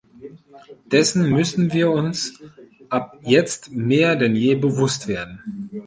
Dessen müssen wir uns ab jetzt mehr denn je bewusst werden.